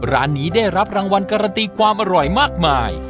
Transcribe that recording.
ร้านนี้ได้รับรางวัลการันตีความอร่อยมากมาย